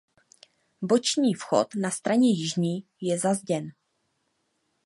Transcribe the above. Boční vchod na straně jižní je zazděn.